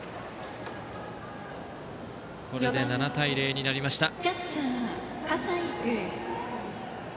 これで７対０になりました。